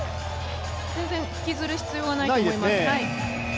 全然引きずる必要はないと思います。